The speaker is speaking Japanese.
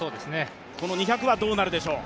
この２００はどうなるでしょう？